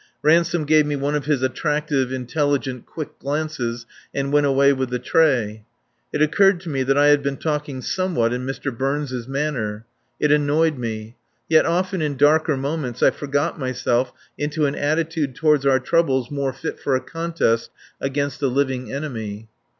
Ransome gave me one of his attractive, intelligent, quick glances and went away with the tray. It occurred to me that I had been talking somewhat in Mr. Burns' manner. It annoyed me. Yet often in darker moments I forgot myself into an attitude toward our troubles more fit for a contest against a living enemy.